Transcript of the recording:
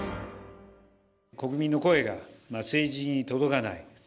国民の声が政治に届かない。